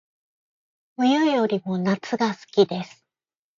冬よりも夏が好きです